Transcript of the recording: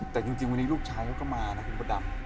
แต่จริงวันนี้ลูกชายเขาก็มานะคุณพระดำ